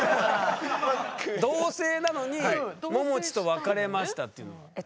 同棲なのに「ももちと別れました」っていうのは？